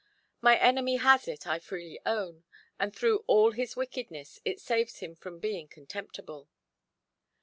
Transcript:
My enemy has it, I freely own, and through all his wickedness it saves him from being contemptible.